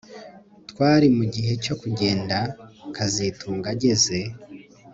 Twari mugihe cyo kugenda kazitunga ageze